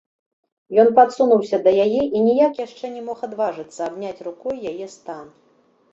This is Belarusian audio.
Ён падсунуўся да яе і ніяк яшчэ не мог адважыцца абняць рукой яе стан.